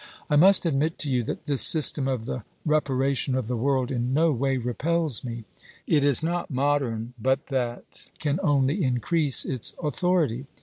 I must admit to you that this system of the reparation of the world in no way repels me. It is not modern, but that can only increase its authority.